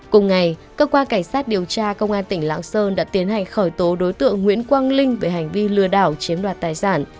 cùng ngày cơ quan cảnh sát điều tra công an tỉnh lạng sơn đã tiến hành khởi tố đối tượng nguyễn quang linh về hành vi lừa đảo chiếm đoạt tài sản